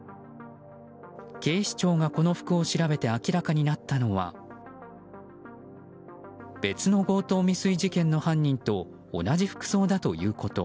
警視庁がこの服を調べて明らかになったのは別の強盗未遂事件の犯人と同じ服装だということ。